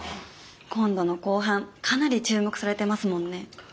今度の公判かなり注目されてますもんね。